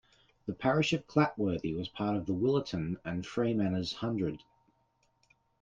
The parish of Clatworthy was part of the Williton and Freemanners Hundred.